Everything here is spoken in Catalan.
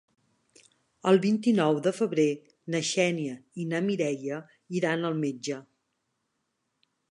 El vint-i-nou de febrer na Xènia i na Mireia iran al metge.